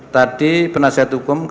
tadi penasihat hukum